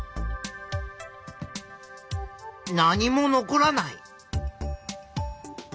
何も残らない。